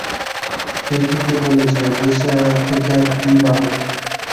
সেই থেকে বলি যাই, দেশে থেকে আর কী-ই বা হবে।